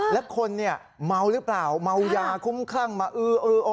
และคนมัวรึเปล่ามัวยาคุ้มครั่งมาอื้อ